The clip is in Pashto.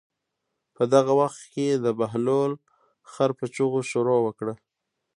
په دغه وخت کې د بهلول خر په چغو شروع وکړه.